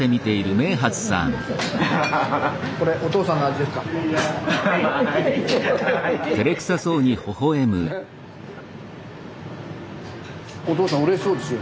おとうさんうれしそうですよ。